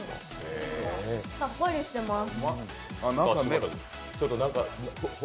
さっぱりしてます。